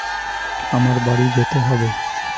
আমার বাড়ি যেতে হবে।